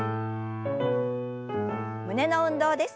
胸の運動です。